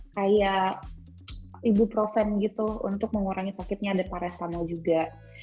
kayak ibuprofen gitu untuk mengurangi sakitnya ada parastama juga